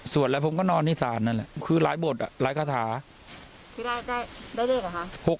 แล้วผมก็นอนที่ศาลนั่นแหละคือหลายบทอ่ะหลายคาถาคือว่าได้เลขเหรอคะ